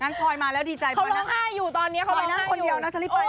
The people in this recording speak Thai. ฮะงั้นพลอยมาแล้วดีใจปล่อยนั่งคนเดียวนะชะลี่ไปแล้ว